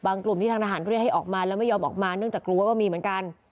กลุ่มที่ทางทหารเรียกให้ออกมาแล้วไม่ยอมออกมาเนื่องจากกลัวก็มีเหมือนกัน